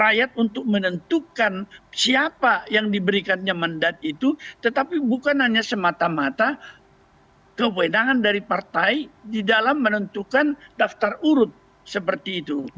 rakyat untuk menentukan siapa yang diberikannya mandat itu tetapi bukan hanya semata mata kewenangan dari partai di dalam menentukan daftar urut seperti itu